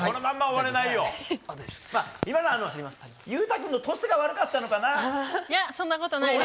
今のは勇大君のトスが悪かったのかな？